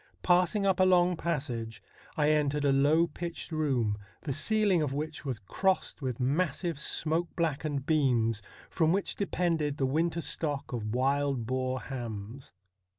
Passing up a long passage, I entered a low pitched room, the ceiling of which was crossed with massive smoke blackened beams, from which depended the winter stock of wild boar hams.